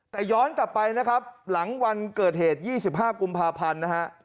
แต่ย้อนกลับไปนะครับหลังวันเกิดเหตุ๒๕กุมภาพันธ์นะฮะ